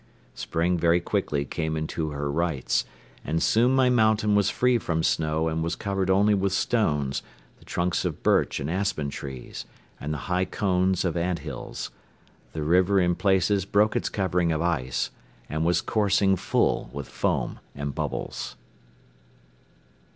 Spring very quickly came into her rights and soon my mountain was free from snow and was covered only with stones, the trunks of birch and aspen trees and the high cones of ant hills; the river in places broke its covering of ice and was coursing full with foam and bubbles.